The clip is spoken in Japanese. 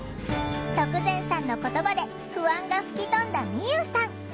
徳善さんの言葉で不安が吹き飛んだみゆうさん。